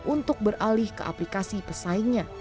untuk beralih ke aplikasi pesaingnya